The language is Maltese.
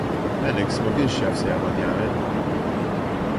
Alex ma kienx jaf x'ser jaqbad jagħmel.